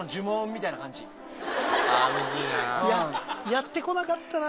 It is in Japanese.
やってこなかったな